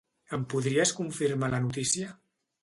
Em podries confirmar la notícia?